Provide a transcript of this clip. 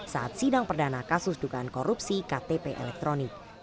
saat sidang perdana kasus dugaan korupsi ktp elektronik